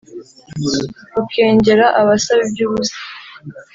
rukengera abasaba iby’ubusa